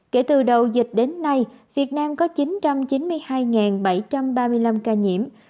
kể từ đầu dịch đến nay việt nam có chín trăm chín mươi hai bảy trăm ba mươi năm ca nhiễm